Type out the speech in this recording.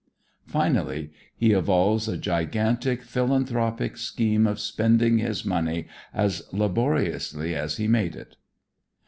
Finally he evolves a gigantic philanthropic scheme of spending his money as laboriously as he made it.